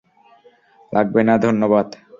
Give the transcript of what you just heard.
লাগবে না ধন্যবাদ।